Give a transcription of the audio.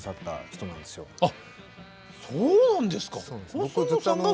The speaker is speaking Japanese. そうなんです。